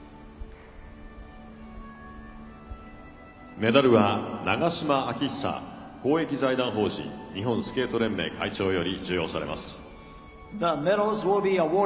メダルは長島昭久公益財団法人日本スケート連盟会長より授与されます。